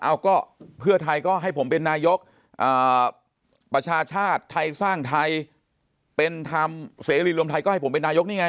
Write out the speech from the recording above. เอาก็เพื่อไทยก็ให้ผมเป็นนายกประชาชาติไทยสร้างไทยเป็นธรรมเสรีรวมไทยก็ให้ผมเป็นนายกนี่ไง